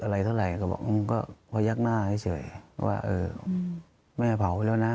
อะไรเท่าไหร่ก็บอกก็พยักหน้าเฉยว่าเออแม่เผาไปแล้วนะ